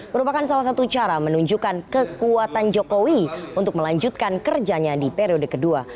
merupakan salah satu cara menunjukkan kekuatan jokowi untuk melanjutkan kerjanya di periode kedua